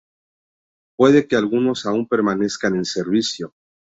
Puede que algunos aún permanezcan en servicio.